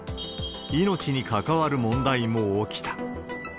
命にかかわる問題も起きた。